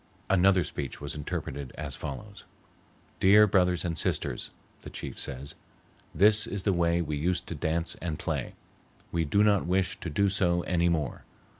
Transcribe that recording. Another speech was interpreted as follows: "'Dear Brothers and Sisters,' the chief says, 'this is else way we used to dance and play. We do not wish to do so any more.